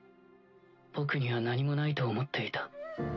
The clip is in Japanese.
僕には何もないと思っていた。